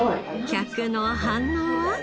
客の反応は？